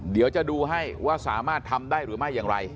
เดี๋ยวจะดูให้ว่าสามารถทำได้หรือไม่อย่างไร